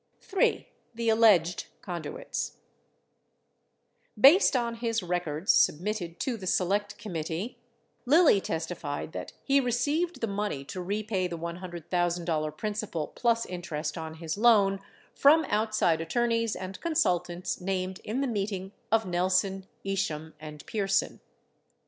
THE ALLEGED CONDUITS Based on his records submitted to the Select Committee, 16 Lilly testi fied that he received the money to repay the $100,000 principal plus interest on his loan from outside attorneys and consultants named in the meeting of Nelson, Isham, and Pierson.